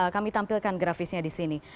kami tampilkan grafisnya di sini